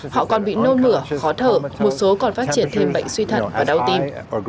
họ còn bị nôn mửa khó thở một số còn phát triển thêm bệnh suy thận và đau tim